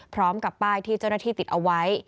พร้อมกับป้ายที่เจ้าหน้าที่ติดเอาไว้